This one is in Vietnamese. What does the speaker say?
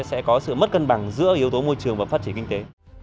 sẽ có sự mất cân bằng giữa yếu tố môi trường và phát triển kinh tế